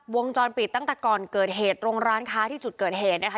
วงจรปิดตั้งแต่ก่อนเกิดเหตุตรงร้านค้าที่จุดเกิดเหตุนะคะ